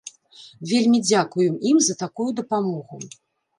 Вельмі дзякуем ім за такую дапамогу!